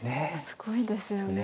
すごいですよね。